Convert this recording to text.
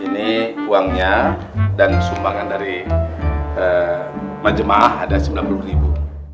ini uangnya dan sumbangan dari majemah ada sembilan puluh ribu